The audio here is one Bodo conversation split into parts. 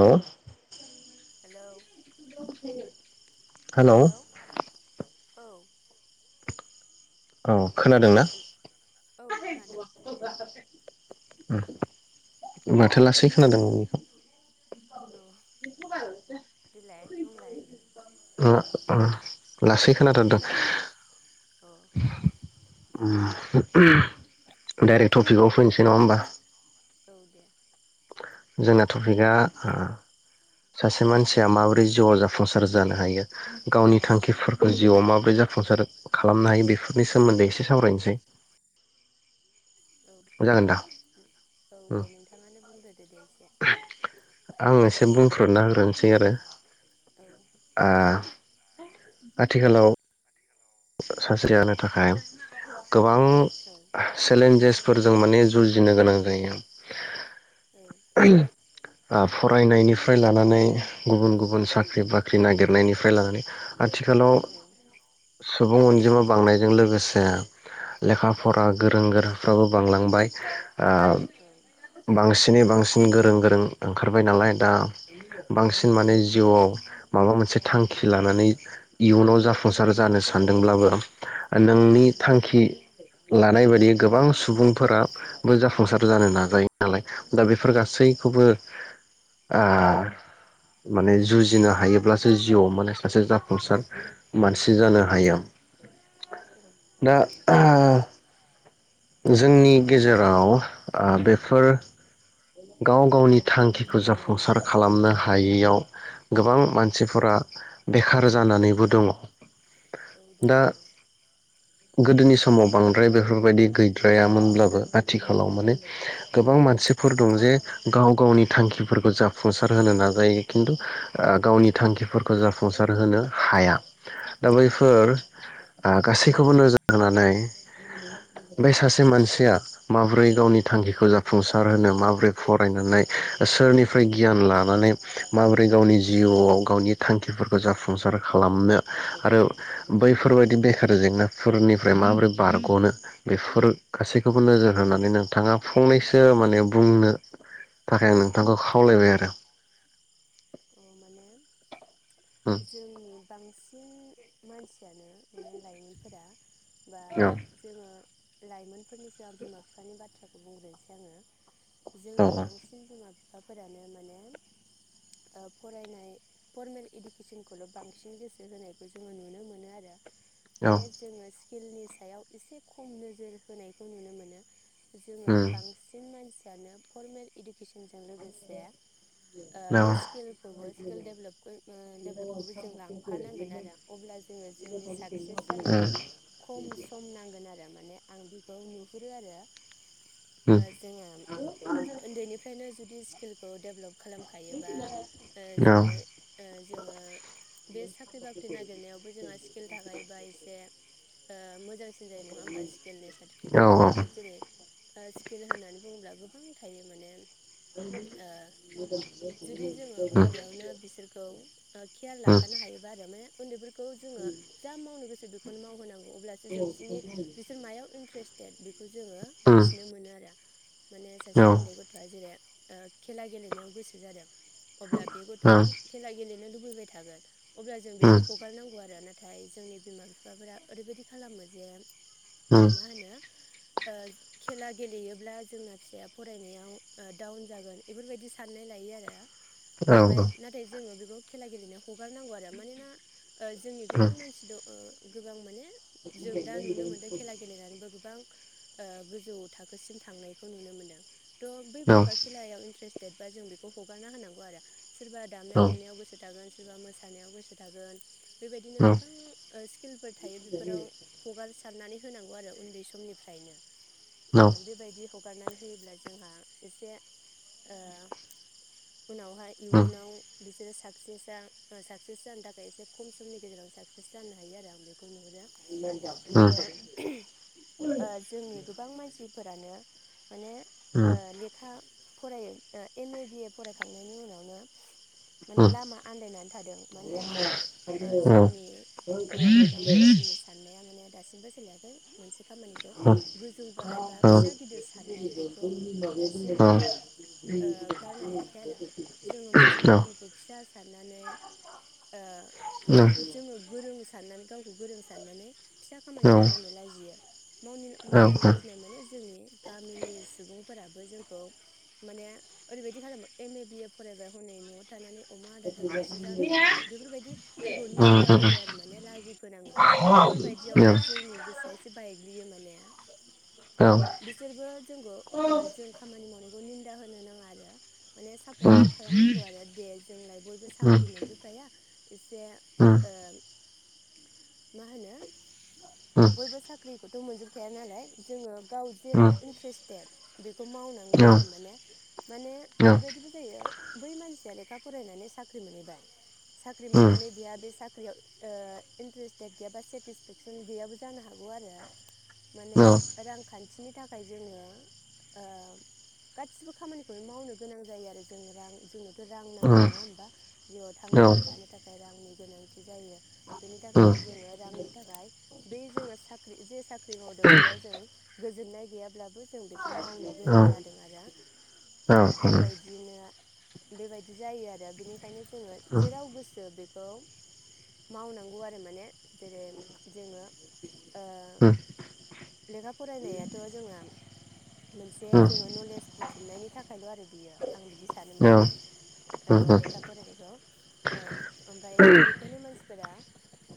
औ हेलौ हेलौ औ औ खोनादोंना औ खोनादों। उम माथो लासै खोनादों नोंनिखौ। औ देलाय [unintelligible] बुंलाय [unintelligible] लासै खोनाथारदों। खोनाबाय अ डाइरेक्ट टपिकआव फैनोसै नङा होमबा? औ दे जोंना टपिकआ सासे मानसिया माबोरै जिउआव जाफुंसार जानो हायो गावनि औ थांखिफोरखौ जिउआव माबोरै जा फुंसार खालामनो हायो बेफोरनि सोमोन्दै एसे सावरायनोसै। औ जागोन दा औ दे नोंथाङानो बुंग्रोदो दे एसे बुं फोरना होग्रोनोसै आरो औ ओ आथिखालाव सानस्रि जानो थाखाय गोबां औ चेलेन्जेस फोरजों माने जुजिनो गोनां जायो औ [inaudible] ओ फरायनायनिफ्राय लानानै गुबुन गुबुन साख्रि औ बाख्रि नागिरनायनिफ्राय लानानै आथिखालाव सुबुं अनजिमा बांनायजों लोगोसे लेखा फरा गोरों गोराफ्राबो बांलांबाय ओ बांसिनै बांसिन गोरों गोरों ओंखारबाय नालाय दा बांसिन माने जिउआव माबा मोनसे थांखि लानानै इयुनाव उम जाफुंसार जानो सानदोंब्लाबो नोंनि उम थांखि लानाय बायदि गोबां सुबुंफोराबो जाफुंसार जानो उम नाजायो नालाय दा बेफोर उम गासैखौबो ओ माने जुजिनो हायोब्लासो जिउआव माने सासे जाफुंसार मानसि जानो हायो। औ दा हायो ओ जोंनि गेजेराव ओ बे फोर औ गाव गावनि थांखिखौ जाफुंसार खालामनो हायियाव गोबां औ मानसिफोरा बेखार जानानैबो दङ औ दङ दा औ गोदोनि समाव बांद्राय बेफोरबायदि गैद्रायामोनब्लाबो आथिखालाव माने गोबां मानसिफोर दं जे गाव गावनि थांखिफोरखौ जाफुंसार होनो नाजायो खिन्थु ओ गावनि उम थांखिफोरखौ जाफुं फुंसार होनो हाया दा औ उम बैफोर ओ गासैखौबो नोजोर होनानै उम बे सासे मानसिया मा ब्रै गावनि थांखखौ जा फुंसार होनो मा बोरै फरायनानै सोरनिफ्राय गियान लानानै माबोरै गावनि जिउआव गावनि थांखिफोरखौ जाफुंसार खालामनो आरो बैफोरबायदि बेखार जेंनाफोरनिफ्राय माबोरै बारग'नो बे फोर उम गासैखौबो नोजोर होनानै नों नोंथाङा फंनैसो माने बुंनो थाखाय आं नोंथांखौ खावलायबाय आरो। औ माने औ जोंनि बांसिन बिन मानसियानो माने लाइमोनफोरा बा जोङो लाइमोनफोरनि सायाव आं बिमा बिफानि बाथ्राखौ बुंग्रोनोसै आङो। औ जोंनि बांसिन बिमा फिफा फोरानो माने ओ फरायनाय फरमेल इदु केसनखौल' जोंखौल' बांसिन गोसो होनायखौ जोङो नुनो मोनो आरो। औ माने जोङो स्किलनि सायाव एसे खम नोजोर होनायखौ नुनो मोनो। जोङो औ बांसिन मानसि फ्रानो फरमेल इडुकेसनजों लोगोसे ओ बे स्किलखौबो स्किलदेभलप खो ओ देभ बेखौबो जों लांफानांगोन आरो अब्ला जोङो जोंनि साकसेस जानायाव खम सम नांगोन आरो मा माने आं बेखौ नुहुरो आरो। ओ जोङो उन्दैनिफ्रायनो जु दि स्किलखौ देभलप खालामखायोबा ओ जेरै ओ जोङो बे साख्रि बाख्रि नागिरनायावबो जोंहा स्किल थाखायोबा एसे ओ मोजांसिन जायो नङा होमबा? स्किलनि सार्टिफिकेटफोर थायोबा जेरै स्किल होननानै बुङोब्ला गोबां थायो माने ओ जुदि जोङो उन्दैयावनो बिसोरखौ उम। ओ केयार लाखानो हायोबा आरो माने उन्दैफोर खौ जोङो जा मावनो गोसो बेखौनो मावहोनांगौ अब्लासो जों बिसोरनि बिसोर मायाव इन्ट्रेस्ट टेट बिफ खौ जोङो मिथिनो मोनो आरो। माने औ सासे औ उन्दै गथ'आ जेरै ओ खेला गेलेनायाव गोसो जादों अब्ला बे औ गथ'आ खेला गेले फैबाय थागोन। अब्ला जों बेखौ हगारनांगौ आरो ना नाथाय जोंनि बिमा बिफाफोरा ओरैबायदि खालामो जे मा होनो ओ खेला गेलेयोब्ला जोंना फिसाया फरायनायाव ओ डाउन जागोन बेफोरबायदि साननाय लायो आरो ओमफ्राय नाथाय जोङो बे खेला गेलेनायाव हगारनांगौ आरो मानोना ओ जोंनि गोबां मानसि दं गोबां माने जों दा नुनो मोनदों खेला गेलेनानैबो गोबां ओ गोजौ थाखोसिम थांनायखौ नुनो मोनदों। थ बै गथ'आ खेलायाव इन्ट्रेस्ट देदबा जों बेखौ हगारना होनांगौ आरो सोरबा दामनाय देनायाव गोसो सोरबा मोसानायाव गोसो थागोन बेबायदिनो गोबां स्किलफोर थायो बेफोराव हगार सारनानै होनांगौ आरो उन्दै समनिफ्रायनो ओम बेबायदि हगारनानै होयोब्ला जोंहा एसे ओ उनावहाय इयुनाव बिदिनो साकसेस जानो थाखाय एसे खम समनि गेजेराव साक्सेस जानो हायो आरो आं बेखौ खौ नुहरो आरो ओ जोंनि गोबां मानसिफोरानो माने ओ लेखा फरायो एम ए बिए फरायखांनायनि उनावनो माने लामा आन्दायनानै थादों मानि थाखाय जोंनि गोबां मानसिनि साननाया माने दासिमबो सोलायाखै मोनसे खामानिखौ गोजौ गाहाय बा फिसा गिदिर साननाय बेखौ दासिमबो ओ गारनो हायाखै आरो जोङो मोनसे खामानिखौ खौ फिसा साननानै ओ माने जोङो गोरों साननानै गावखौ गोरों साननानै फिसा खामानिखौ मावनो लाजियो मावनो लाजिनाय माने जोंनि गामिनि सुबुं फोराबो जोंखौ माने ओरैबायदि खालामो एम ए बिए फरायबाय हनै न' थानानै अमा आदार होग्रायासो जानानै थाबाय बेफोरबायदि जोंखौ निन्दा होयो आरो माने लाजि फोनाङो बेफोरबायदियावबो जोंनि गोसोआ एसे बायक बियो माने बिसोरबो जोंखौ जों खामानि मावनाय बेखौ निन्दा होनो नाङा आरो माने सापर्टसो खालामनांगौ आरो जोंलाय बयबो साख्रि मोनजोबखाया एसे ओ मा होनो बयबो साख्रिखौथ' मोनजोबखाया नालाय जोङो गाव जेराव इन्ट्रेस्टेद बे बे खौ मावनांगौ आरो माने माने ओरैबायदिबो जायो बै मानसिया लेखा फरायनानै साख्रि मोनहैबाय साख्रि मोननानै बेहा बे साख्रियाव इन्ट्रेस्टेड गैयााबा सेटिसफेक्सन गैयाबो जानो हागौ आरो माने रां खान्थिनि थाखाय जोङो ओ गासिबो खामानिखौनो मावनो गोनां जायो आरो जों रां जोंनोथ' रां नांगौ नङा होमबा जिउआव थांनानै थानो थाखाय रांनि गोनांथि जायो बेनि थाखायनो जोङो रांनि थाखाय बै जोङो साख्रि जे साख्रि मावदों बेयाव जों गोजोननाय गैयाब्लाबो जों बेखौ मावनो गोनां जादों आरो औ बेबायदिनो बेबायदि जायो आरो बिनिखायनो जोङो जेराव गोसो बेखौ मावनांगौ आरो माने जेरै जोङो ओ लेखा फरायनायाथ' जोङो मोनसे जोङो नलेज बुथुमनायनि थाखायल' आरो बियो आं बिदि सानो माने औ लेखा फरायनायखौ औ ओमफ्राय बेखौनो मानसिफोरा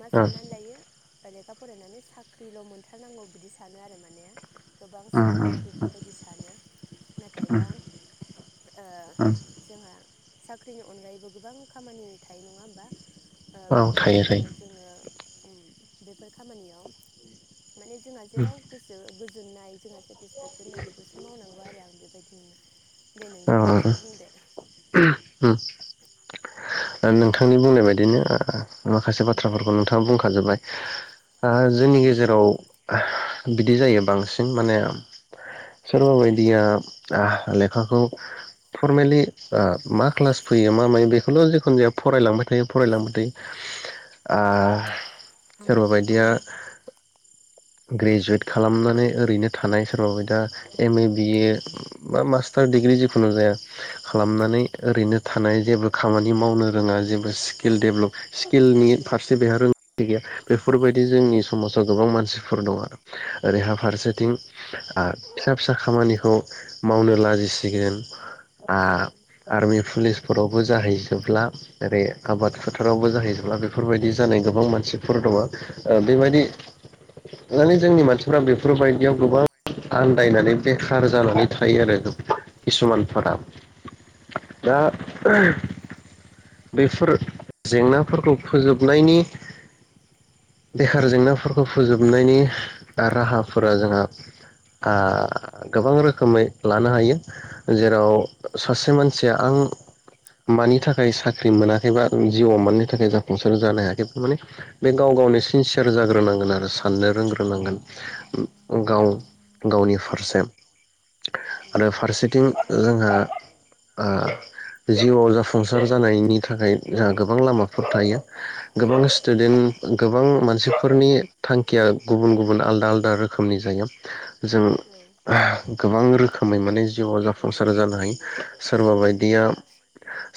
मा साननानै लायो लेखा फरायनानै साख्रिल' मोनथारनांगौ बिदि सानो आरो माने गोबां सुबुङानो बेफोरबायदि सानो नाथायबा जोंहा साख्रिनि अनगायैबो गोबां खामानि थायो नङा होमबा ओ थायो बेफोर थायो खामानियाव जोङो बेफोर खामानियाव माने जोंहा जेराव गोसो गोजोननाय जोंहा सेटिसफेक्सन दं बेखौसो मावनांगौ आरो आं बेबायदि मोनो दे नोंथाङा एसे बुंदो नोंथांनि [inaudible] बुंनाय बायदिनो माखासे बाथ्राफोरखौ नोंथाङा बुंखाजोबबाय जोंनि गेजेराव बिदि जायो बांसिन माने सोरबा बायदिया लेखाखौ फरमेलि मा क्लास फैयो मा मायो बेखौल' जिखुनु जाया फरायलांबाय थायो फरायलांबथाय ओ सोरबा बायदिया ग्रेजुवेट खालामनानै ओरैनो थानाय सोरबाबायदिया एम ए बि औ ए बा मास्टार- [inaudible] डिग्रि जिखुनु जाया औ खालामनानै ओरैनो थानाय जेबो खामानि मावनो रोङा जेबो स्किल डेभलप स्किलनि फारसे बेहा रोंगौथि गैया बेफोरबायदि औ जोंनि समाजाव गोबां मानसि फोर दङ आरो ओरैहा औ फारसेथिं फिसा फिसा खामानिखौ मावनो लाजिसिगोन ओ औ आर्मि पुलिसफोरावबो जाहैजोबला ओरै औ आबाद फोथारावबो जाहैजोबला बेफोरबायदि जानाय गोबां मानसिफोर दङ ओ बेबायदि माने जोंनि मानसिफ्रा बेफोरबायदियाव गोबां आन्दायनानै बेखार जानानै थायो आरो किसुमान औ फोरा दा उम उम बेफोर जेंनाफोरखौ फोजोबनायनि बेखार जेंनाफोरखौ। फोजोबनायनि राहा। फोर औ उम औ उम औ जोंहा। गोबां रोखोमै लानो हायो जेराव सासे मानसिया आं मानि थाखाय साख्रि मोनाखैबा जिउआव मानि थाखाय जाफुंसार जानो हायाखैमाने बे गाव गावनि। सिनसियार जाग्रोनांगोन आरो। साननो रोंग्रोनांगोन उम गाव उम गाव। उनि फारसे। आरो फारसेथिं जोंहा जिउआव जाफुंसार जानायनि थाखाय जोंहा गोबां लामाफोर थायो। गोबां औ औ स्टुडेन्ट। गोबां मानसिफोरनि। थांखिया गुबुन गुबुन आलदा आलदा रोखोमनि जायो। जों गोबां रो रोखोमै माने जिउआव जाफुंसार जानो हायो। सोरबा बायदिया।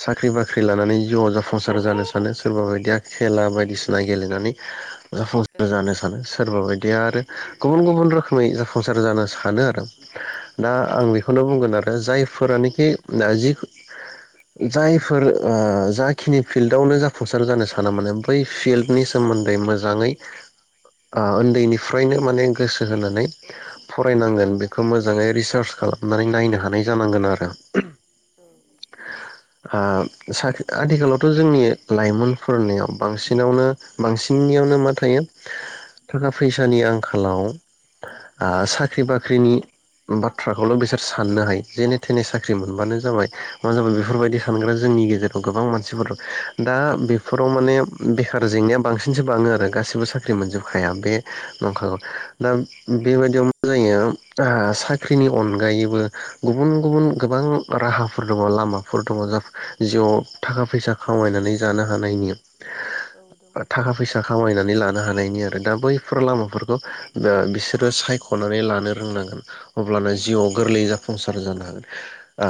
साख्रि बाख्रि लानानै जिउआव जाफुंसार जानो सानो सोरबा बायदिया। खेला बायदिसिना गेलेनानै। सानो सोरबा बायदिया आरो गुबुन गुबुन रोखोमै जाफुंसार जानो सानो आरो। दा आं सानो बेखौनो बुंगोन आरो जाय। फोरानोखि जि औ जायफोर जाखिनि फिल्डआवनो जाफुंसार जानो साना माने बै। फिल्डनि सोमोन्दै मोजाङै। सोमोन्दै मोजाङै उन्दैनिफ्रायनो माने गोसो होनानै फरायनांगोन बेखौ मोजाङै रिसार्च खालामनानै नायनो हानाय जानांगोन आरो साख्रि आथिखालावथ' जोंनि लाइमोनफोरनियाव बांसिनावनो बांसिननियावनो मा थायो। थाखा फैसानि आंखालाव साख्रि बाख्रिनि बाथ्राखौल' बिसोर साननो हायो जेे‌ थेने सोलोंथाइ लायोबानो जाबाय साख्रि जों मोनबानो जाबाय मा जाबाय बेफोरबायदि सानग्रा जोंनि गेजेराव गोबां मानसिफोर दा बेफोराव माने बेखार जेंनाया बांसिनसो बाङो आरो गासिबो साख्रि बाख्रि गासैबो सुबुं माहाया मोनजोबखाया बे बे दा नंखायखौ औ दा बेबायदियाव मा जायो। साख्रिनि अनगायैबो गुबुन गुबुन गोबां राहा। फोर दङ लामाफोर दङ जिउआव थाखा फैसा खामायनानै जानो हानायनि। दङ औ थाखा फैसा खामायनानै लानो। हानायनि दा बैफोर लामाफोरखौ बिसोरो सायखनानै लोंनांगोन अब्लाना जिउआव। गोरलै जाफुंसार जानो हागोन। ओ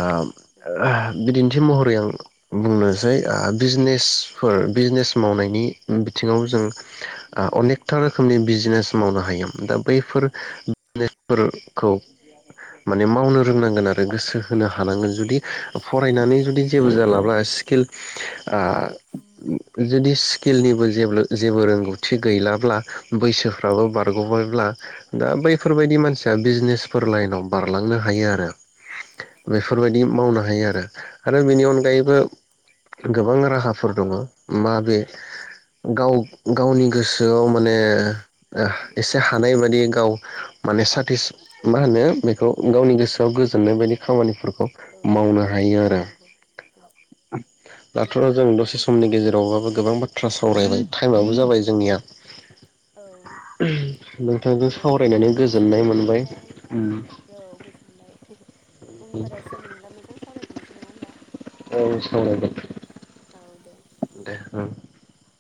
बिदिन्थि महरै आं बुंनोसै ओ बिजनेसफोर बिजनेस मावनाय नि बिथिङाव जों ओ अनेकथा रोखोमनि बिजिनेस मावनो हायो दा बैफोर [unintelligible] खौ माने मावनो रोंनांगोन आरो गोसो होनो हानांगोन जुदि फरायनानै जुदि जेबो जालाब्ला स्किल [inaudible] ओ जुदि स्किलनिबो जे जेबो रोंगौ थि गैलाब्ला बैसो फ्राबो बारग'बायब्ला दा औ बैफोरबायदि मानसिया बिजनेसफोर लाइनाव बारलांनो हायो आरो औ हायो बेफोरबायदि मावनो हायो आरो आरो बेनि अनगायैबो गोबां राहाफोर दङ माबे [inaudible] गाव गावनि गोसोआव माने एसे हानाय बायदि गाव माने साटिस मा होनो बेखौ गावनि गोसोआव गोजोननाय बायदि खामानिफोरखौ औ मावनो हायो आरो मावनांगौ दाथ' नोंथां जों दसे समनि गेजेरावबाबो गोबां बाथ्रा सावरायबाय टाइमाबो जाबाय जोंनिया औ नोंथांजों दे बिदिब्ला सावरायनानै उनाव सम गोजोननाय मोनबाय मोनब्लाथाय औ गोजोनबाय उनफोराव सम मोनब्ला मोजां सावरायफिनसै नङा होमबा औ सावरायगोन औ दे [inaudible]